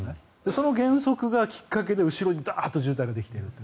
その原則がきっかけで後ろにダッと渋滞ができていると。